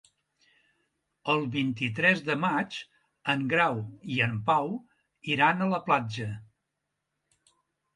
El vint-i-tres de maig en Grau i en Pau iran a la platja.